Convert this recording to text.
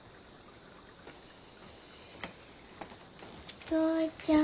お父ちゃん。